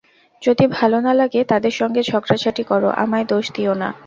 যদি ভাল না লাগে, তাদের সঙ্গে ঝগড়া-ঝাঁটি কর, আমায় দোষ দিও না।